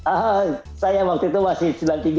ah saya waktu itu masih